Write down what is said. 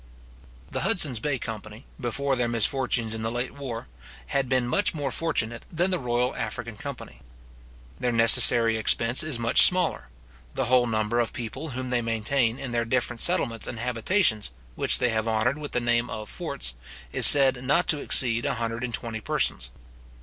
The Hudson's Bay company, before their misfortunes in the late war, had been much more fortunate than the Royal African company. Their necessary expense is much smaller. The whole number of people whom they maintain in their different settlements and habitations, which they have honoured with the name of forts, is said not to exceed a hundred and twenty persons.